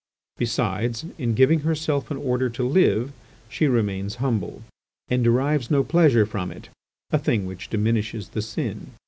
Besides, in giving herself in order to live, she remains humble, and derives no pleasure from it a thing which diminishes the sin.